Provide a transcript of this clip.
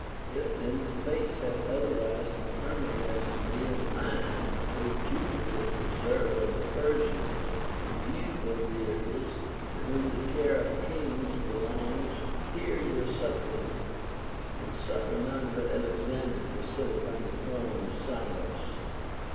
If then the Fates have otherwise deter mined as to me and mine, Ο Jupiter preserver of the Persians, and you. Ο Deities, to whom the care of kings belongs, hear your suppliant, and suffer none but Alex ander to sit upon the throne of Cyrus."